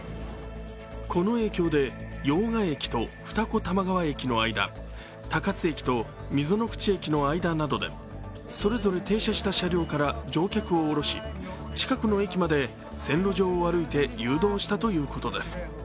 この影響で用賀駅と二子玉川駅の間、高津駅と溝の口駅の間などでそれぞれ停車した車両から乗客を降ろし、近くの駅まで線路上を歩いて誘導したということです。